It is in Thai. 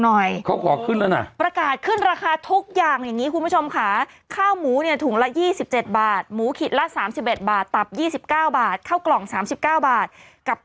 แล้วทิเขาโทรมาด่าชั้นกันไหมครับ